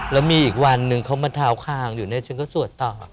แล้วมีอีกวันนึงเขามาเท้าคางอยู่เนี่ยฉันก็สวดต่อ